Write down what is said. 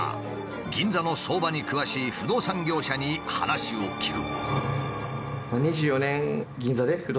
銀座の相場に詳しい不動産業者に話を聞く。